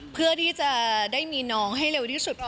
เพื่อที่จะได้มีน้องให้เร็วที่สุด